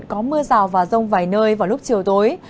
có mưa rào và rông vài nơi vào lúc chiều tối